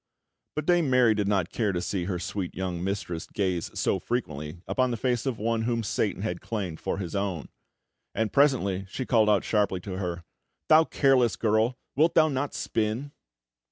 But Dame Mary did not care to see her sweet young mistress gaze so frequently upon the face of one whom Satan had claimed for his own; and presently she called out sharply to her: "Thou careless girl! Wilt thou not spin?"